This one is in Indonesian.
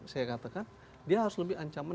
saya katakan dia harus lebih ancaman